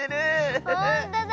ほんとだ。